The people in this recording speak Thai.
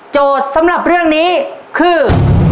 โจทย์สำหรับเรื่องนี้คือ